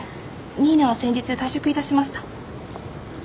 新名は先日退職いたしました。